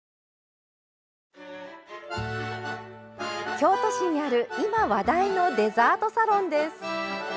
京都市にある今、話題のデザートサロンです。